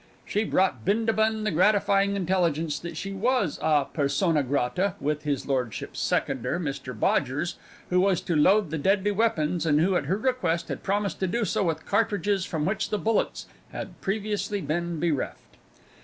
She brought Bindabun the gratifying intelligence that she was a persona grata with his lordship's seconder, Mr Bodgers, who was to load the deadly weapons, and who, at her request, had promised to do so with cartridges from which the bullets had previously been bereft.